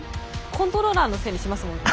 コントローラーのせいにしますもんね。